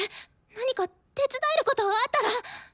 何か手伝えることあったら。